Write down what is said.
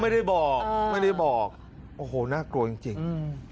ไม่ได้บอกไม่ได้บอกโอ้โหน่ากลัวจริงจริงอืม